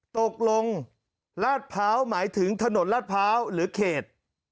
ตกลงลาดพร้าวหมายถึงถนนลาดพร้าวหรือเขต